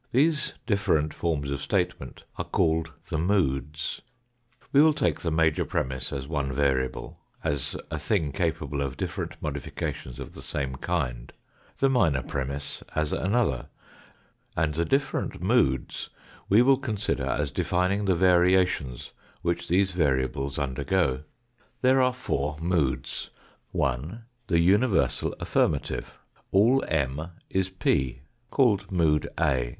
These different forms of statement are called the moods. We will take the major premiss as one variable, as a thing capable of different modifications of the same kind, the minor premiss as another, and the different moods we will consider as defining the variations which these variables undergo. Fig. 49. THE USE OF FOUR DIMENSIONS IN THOUGHT 91 There are four moods : 1. The universal affirmative ; all M is p, called mood A.